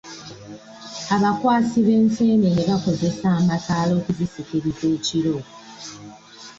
Abakwasi b'enseenene bakozesa amataala okuzisikiriza ekiro.